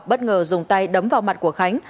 bất ngờ dùng tay đấm vào mặt của khánh